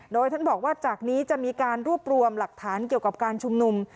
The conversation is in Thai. โดยท่านบอกว่าจากนี้จะมีการรวบรวมหลักฐานเกี่ยวกับการชุมนุม